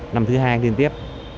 năm thứ hai tiên tiếp